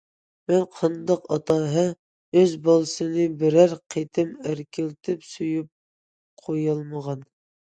مەن قانداق ئاتا- ھە؟ ئۆز بالىسىنى بىرەر قېتى ئەركىلىتىپ سۆيۈپ قويالمىغان.